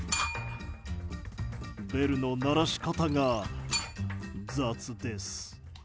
ベルの鳴らし方が雑です。